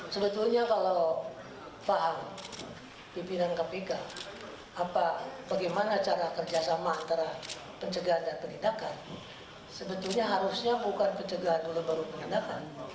sebetulnya kalau paham pimpinan kpk bagaimana cara kerjasama antara pencegahan dan penindakan sebetulnya harusnya bukan pencegahan dulu baru penindakan